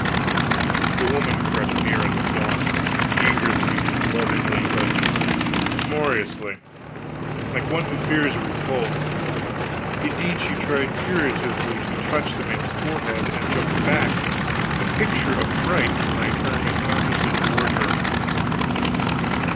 The woman crept near and looked on, eagerly, lovingly, but timorously, like one who fears a repulse; indeed, she tried furtively to touch the man's forehead, and jumped back, the picture of fright, when I turned unconsciously toward her.